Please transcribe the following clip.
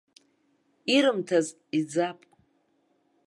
Ирымҭаз иӡап.